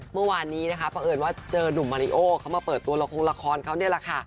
เมื่อวานนี้นะคะเพราะเอิญว่าเจอนุ่มมาริโอเขามาเปิดตัวละครละครเขานี่แหละค่ะ